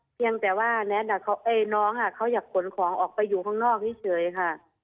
เพียงแต่ว่าแท็ตน้องเขาอยากขนของออกไปอยู่ข้างนอกเฉยค่ะ